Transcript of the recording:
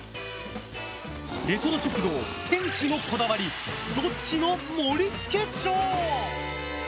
レトロ食堂店主のこだわりどっちの盛り付けＳＨＯＷ！